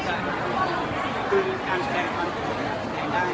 การรับความรักมันเป็นอย่างไร